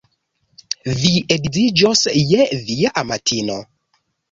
Vi edziĝos je via amatino.